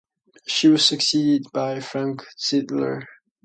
She was succeeded by Frank Zindler.